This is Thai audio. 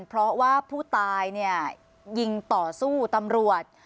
เพราะว่าผู้ตายเนี่ยยิงต่อสู้ตำรวจ